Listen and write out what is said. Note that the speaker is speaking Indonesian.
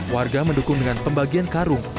warga mendukung dengan pembagian karung